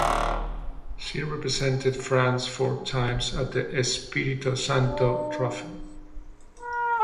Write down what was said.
She represented France four times at the Espirito Santo Trophy.